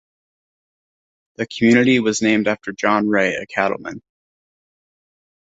The community was named after John Wray, a cattleman.